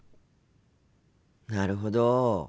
なるほど。